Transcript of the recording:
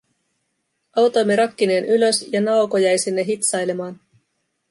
Autoimme rakkineen ylös ja Naoko jäi sinne hitsailemaan.